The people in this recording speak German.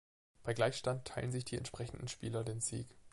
Bei Gleichstand teilen sich die entsprechenden Spieler den Sieg.